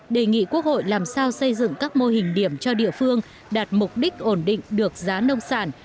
đề nghị quốc hội làm sao xây dựng các mô hình điểm cho địa phương đạt mục đích ổn định được giá nông sản